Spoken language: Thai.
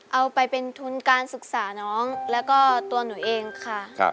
เอาไปเป็นทุนการศึกษาน้องแล้วก็ตัวหนูเองค่ะ